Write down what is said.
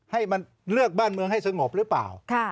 ให้มันเลือกบ้านเมืองให้สงบหรือเปล่า